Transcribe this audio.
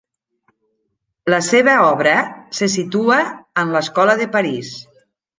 La seva obra se situa en l'Escola de París.